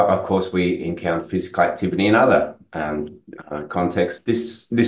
tentu saja kita menemukan aktivitas fizikal di konteks lain